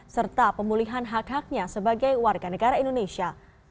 serta pemulihan hak haknya sebagai warga negara indonesia